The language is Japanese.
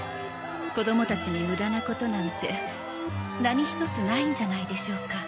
子どもたちに無駄なことなんて何ひとつないんじゃないでしょうか。